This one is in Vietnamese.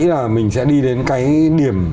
tôi nghĩ là mình sẽ đi đến cái điểm